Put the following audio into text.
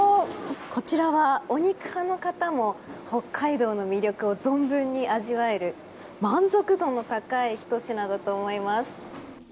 こちらは、お肉派の方も北海道の魅力を存分に味わえる満足度の高いひと品だと思います。